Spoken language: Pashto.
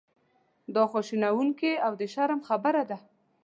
دا خواشینونکې او د شرم خبره ده.